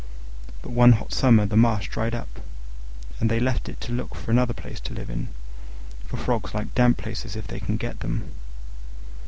But one hot summer the marsh dried up, and they left it to look for another place to live in: for frogs like damp places if they can get them.